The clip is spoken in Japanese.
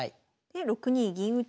で６二銀打。